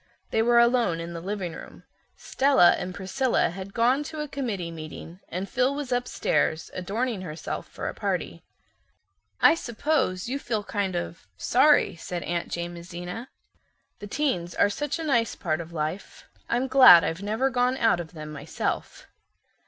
They were alone in the living room. Stella and Priscilla had gone to a committee meeting and Phil was upstairs adorning herself for a party. "I suppose you feel kind of, sorry" said Aunt Jamesina. "The teens are such a nice part of life. I'm glad I've never gone out of them myself."